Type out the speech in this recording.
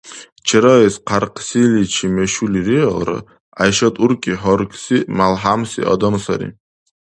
Чераэс кьяркьсиличи мешули риалра, ГӀяйшат уркӀи гьаргси, малхӀямси адам сари.